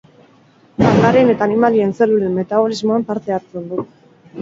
Landareen eta animalien zelulen metabolismoan parte hartzen du.